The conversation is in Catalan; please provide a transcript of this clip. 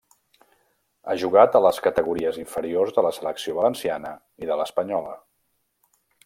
Ha jugat a les categories inferiors de la selecció valenciana, i de l'espanyola.